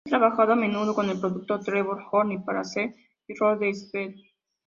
Ha trabajado a menudo con el productor Trevor Horn para Seal y Rod Stewart.